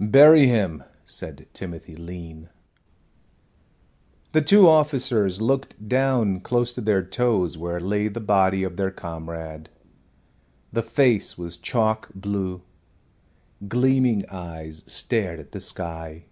"Bury him," said Timothy Lean. The two officers looked down close to their toes where lay the body of their comrade. The face was chalk blue; gleaming eyes stared at the sky.